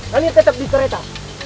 kami tetap di kereta